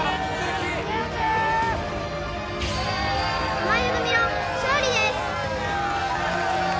濱家組の勝利です